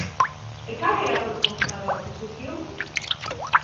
¿E cal é a proposta da oposición?